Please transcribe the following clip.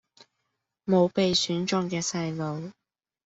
無被選中嘅細路